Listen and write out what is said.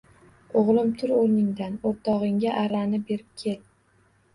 O‘g‘lim tur o‘rningdan o‘rtog‘ingga arrani berib kel